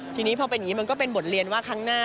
ทีนี้พอเป็นอย่างนี้มันก็เป็นบทเรียนว่าครั้งหน้า